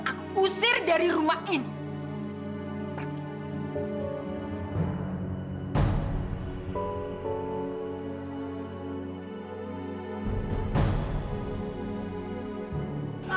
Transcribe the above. aku usir dari rumah ini